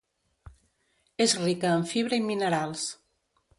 És rica en fibra i minerals.